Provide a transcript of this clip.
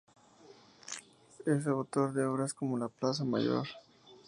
Es autor de obras como "La Plaza Mayor.